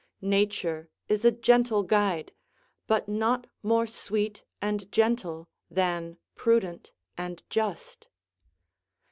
Nature is a gentle guide, but not more sweet and gentle than prudent and just.